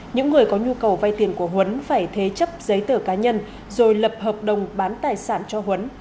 những người có nhu cầu vay tiền của huấn phải thế chấp giấy tờ cá nhân rồi lập hợp đồng bán tài sản cho huấn